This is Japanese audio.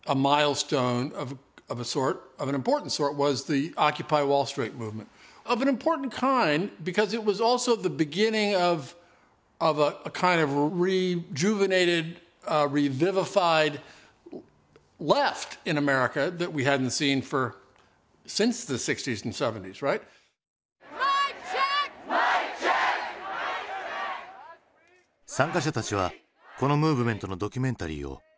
参加者たちはこのムーブメントのドキュメンタリーを自ら制作。